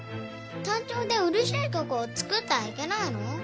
短調で嬉しい曲を作ったらいけないの？